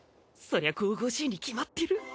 そりゃ神々しいに決まってる。